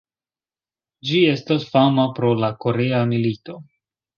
Ĝi estas fama pro la korea milito.